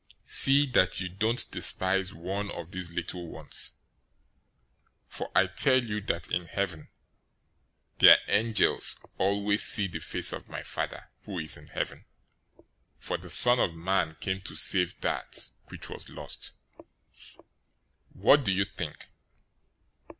018:010 See that you don't despise one of these little ones, for I tell you that in heaven their angels always see the face of my Father who is in heaven. 018:011 For the Son of Man came to save that which was lost. 018:012 "What do you think?